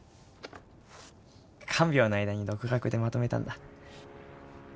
看病の間に独学でまとめたんだ。